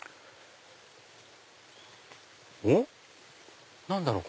おっ何だろう？